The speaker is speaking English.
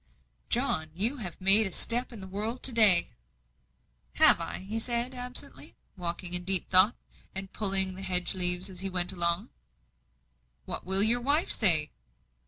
"John, you have made a step in the world to day." "Have I?" he said, absently, walking in deep thought, and pulling the hedge leaves as he went along. "What will your wife say?"